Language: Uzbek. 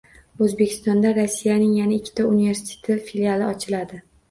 O‘zbekistonda Rossiyaning yana ikkita universiteti filiali ochiladi